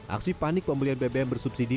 aksi panik pembelian bbm bersubsidi